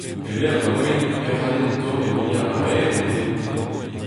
E-lec'h ma oan e c'hallen tommheoliañ a-hed an deiz !